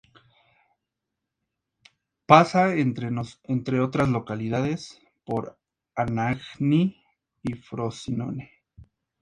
Pasa, entre otras localidades, por Anagni y Frosinone.